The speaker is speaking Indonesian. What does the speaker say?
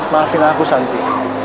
maafin aku santi